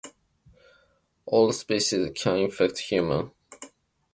All species can infect humans.